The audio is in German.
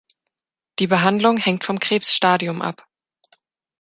Die Behandlung hängt vom Krebsstadium ab.